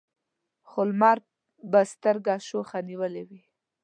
خو لمر به سترګه شخه نیولې وي.